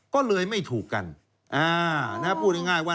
ก็เลยไม่ถูกกันอ่านะฮะพูดง่ายง่ายว่า